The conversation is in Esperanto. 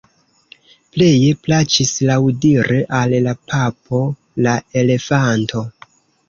Pleje plaĉis laŭdire al la papo la elefanto.